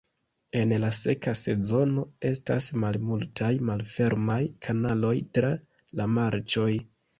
En la seka sezono estas malmultaj malfermaj kanaloj tra la marĉoj.